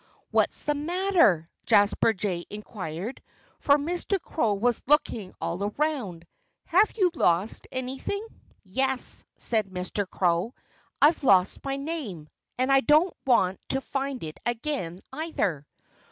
"What's the matter?" Jasper Jay inquired, for Mr. Crow was looking all around. "Have you lost anything?" "Yes!" said Mr. Crow. "I've lost my name. And I don't want to find it again, either."